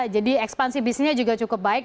jadi ekspansi bisnisnya juga cukup baik